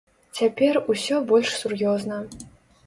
Цяпер усё больш сур'ёзна.